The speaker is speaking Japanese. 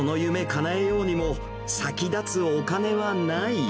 かなえようにも、先立つお金はない。